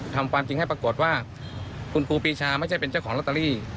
ความจริงให้ปรากฏว่าคุณครูปีชาไม่ใช่เป็นเจ้าของลอตเตอรี่